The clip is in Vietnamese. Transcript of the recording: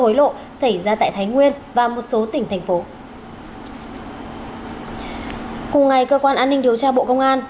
hối lộ xảy ra tại thái nguyên và một số tỉnh thành phố cùng ngày cơ quan an ninh điều tra bộ công an